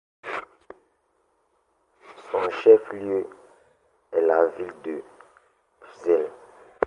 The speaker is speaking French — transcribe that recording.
Son chef-lieu est la ville de Plzeň.